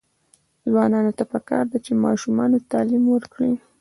ځوانانو ته پکار ده چې، ماشومانو تعلیم ورکړي.